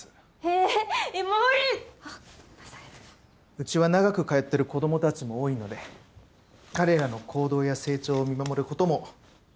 うちは長く通ってる子どもたちも多いので彼らの行動や成長を見守る事も治療の一環なんです。